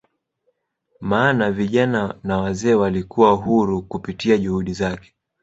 maana vijana na wazee walikuwa huru kupitia juhudi zake